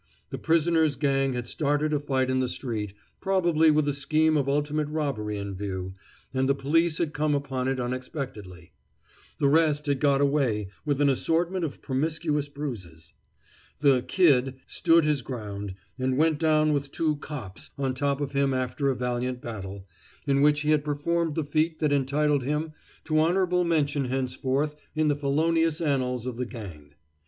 The prisoner's gang had started a fight in the street, probably with a scheme of ultimate robbery in view, and the police had come upon it unexpectedly. The rest had got away with an assortment of promiscuous bruises. The "Kid" stood his ground, and went down with two "cops" on top of him after a valiant battle, in which he had performed the feat that entitled him to honorable mention henceforth in the felonious annals of the gang.